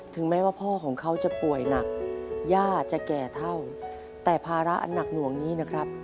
แม้ว่าพ่อของเขาจะป่วยหนักย่าจะแก่เท่าแต่ภาระอันหนักหน่วงนี้นะครับ